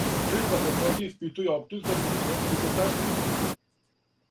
Црква такође испитује оптужбе против неколико свештеника.